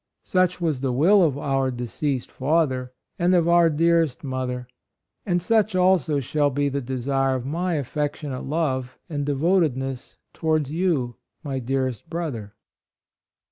Such was the will of our deceased father, and of our dearest mother ; and such also shall be the desire of my affectionate love and devotedness towards you, my dear est brother."